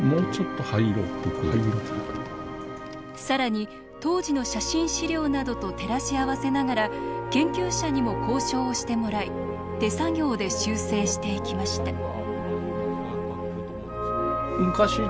更に当時の写真資料などと照らし合わせながら研究者にも考証をしてもらい手作業で修正していきました。